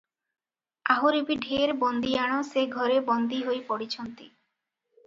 ଆହୁରି ବି ଢେର ବନ୍ଦିଆଣ ସେ ଘରେ ବନ୍ଦୀ ହୋଇ ପଡିଛନ୍ତି ।